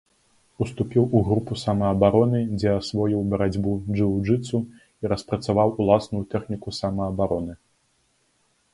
Уступіў у групу самаабароны, дзе асвоіў барацьбу джыу-джытсу і распрацаваў уласную тэхніку самаабароны.